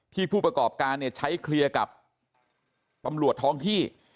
ที่ผู้ประกอบการใช้เคลียร์กับปำรวจท้องที่